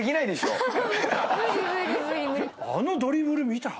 あのドリブル見た？